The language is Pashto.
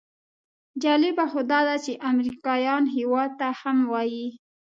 جالبه خو داده چې امریکایان هېواد ته هم وایي.